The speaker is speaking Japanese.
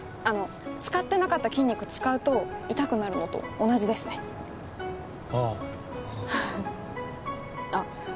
あの使ってなかった筋肉使うと痛くなるのと同じですねあああっ